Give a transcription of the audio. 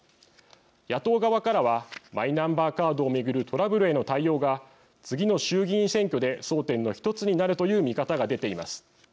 野党側からはマイナンバーカードを巡るトラブルへの対応が次の衆議院選挙で争点の１つになるという見方が出ています。